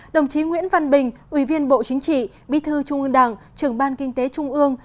đồng chí nguyễn văn bình ủy viên bộ chính trị bí thư trung ương đảng trưởng ban kinh tế trung ương